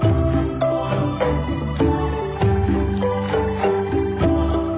ที่สุดท้ายที่สุดท้ายที่สุดท้าย